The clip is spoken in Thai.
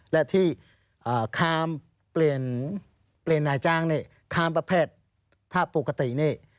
และที่เปลี่ยนนายจ้างนี่ข้ามประเภทถ้าปกตินี่